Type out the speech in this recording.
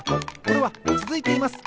これはつづいています！